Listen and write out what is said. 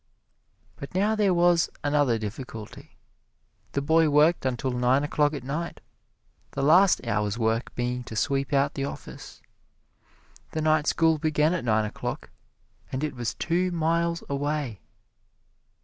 But now there was another difficulty the boy worked until nine o'clock at night, the last hour's work being to sweep out the office. The night school began at nine o'clock and it was two miles away.